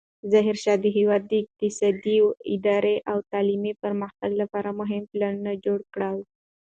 ظاهرشاه د هېواد د اقتصادي، اداري او تعلیمي پرمختګ لپاره مهم پلانونه جوړ کړل.